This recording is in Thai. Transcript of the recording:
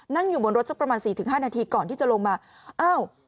นั่งอยู่บนรถสักประมาณสี่ถึงห้านาทีก่อนที่จะลงมาอ้าว